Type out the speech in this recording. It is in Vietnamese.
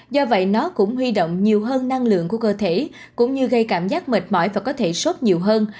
do vậy nó cũng huy động nhiều hơn năng lượng của cơ thể cũng như gây cảm giác mệt mỏi và có thể sốt nhiều hơn